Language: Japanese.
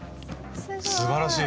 すばらしい。